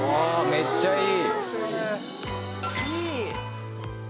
めっちゃいい。